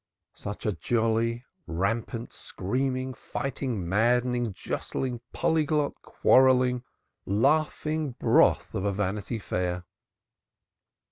Such a jolly, rampant, screaming, fighting, maddening, jostling, polyglot, quarrelling, laughing broth of a Vanity Fair!